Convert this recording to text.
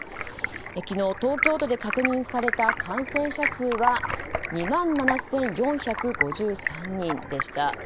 昨日、東京都で確認された感染者数は２万７４５３人でした。